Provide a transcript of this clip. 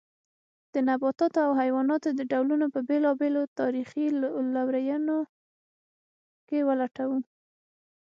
د نباتاتو او حیواناتو د ډولونو په بېلابېلو تاریخي لورینو کې ولټوو.